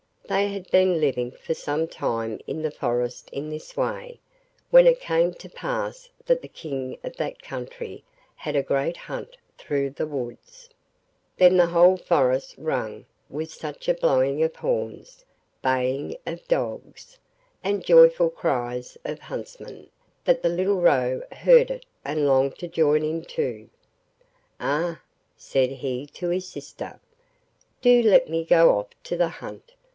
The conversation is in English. They had been living for some time in the forest in this way, when it came to pass that the King of that country had a great hunt through the woods. Then the whole forest rang with such a blowing of horns, baying of dogs, and joyful cries of huntsmen, that the little Roe heard it and longed to join in too. 'Ah!' said he to sister, 'do let me go off to the hunt!